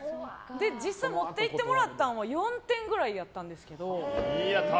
実際持っていってもらったんは４点ぐらいやったんですけど。